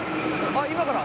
あっ今から。